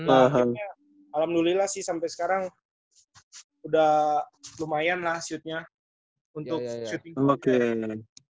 akhirnya alhamdulillah sih sampai sekarang udah lumayan lah shootnya untuk shooting shooting